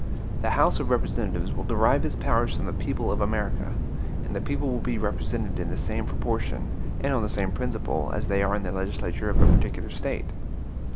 The House of Representatives will derive its powers from the people of America; and the people will be represented in the same proportion, and on the same principle, as they are in the legislature of a particular State.